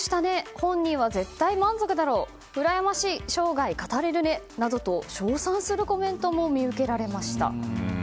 本人は絶対満足だろううらやましい生涯語れるねなどと称賛するコメントも見受けられました。